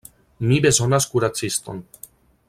Mi bezonas kuraciston.